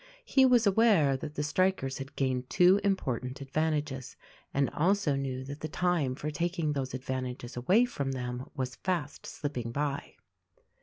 He was aware that the strikers had gained two important advantages and also knew that the time for taking those advantages away from them was fast slipping by.